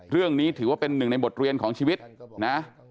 เรื่องนี้ถือว่าเป็นหนึ่งในบทเรียนของชีวิตนะ